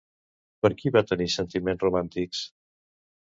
Per qui va tenir sentiments romàntics?